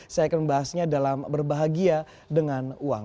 saya akan membahasnya dalam berbahagia dengan uang